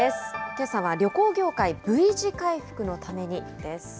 けさは旅行業界、Ｖ字回復のために、です。